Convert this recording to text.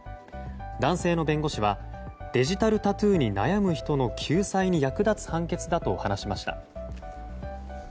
男性の弁護士はデジタルタトゥーに悩む人の救済に役立つ判決だと話しました。